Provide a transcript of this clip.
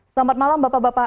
selamat malam bapak bapak